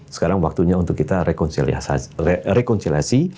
sekarang waktunya untuk kita rekonsiliasi